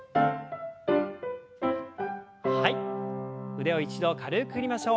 腕を一度軽く振りましょう。